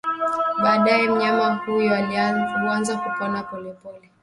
baadaye mnyama huyo huanza kupona polepole